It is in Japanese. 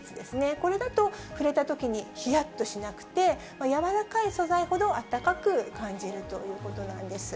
これだと触れたときにひやっとしなくて、柔らかい素材ほど暖かく感じるということなんです。